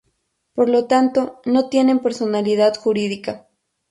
Por lo tanto no tienen personalidad jurídica.